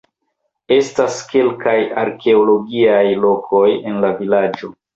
Estas kelkaj arkeologiaj lokoj en la vilaĝo.